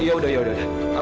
sekarang aku akan ke sana